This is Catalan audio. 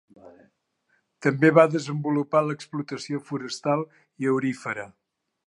També va desenvolupar l'explotació forestal i aurífera.